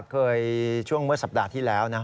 ช่วงเมื่อสัปดาห์ที่แล้วนะ